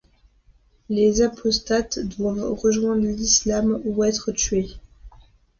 Les apostats doivent rejoindre l'islam ou être tués.